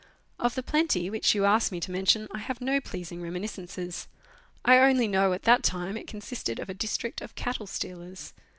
Of the Plenty, which you ask me to mention, I have no pleas ing reminiscences. I only know at that time it consisted of a district of cattle stealers.